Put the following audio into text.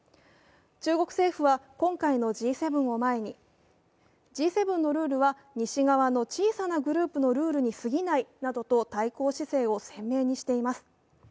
中国政府は今回のＧ７を前に、Ｇ７のルールは西側の小さなグループのルールにすぎないなどと対抗姿勢を鮮明にしています。